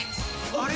あれ？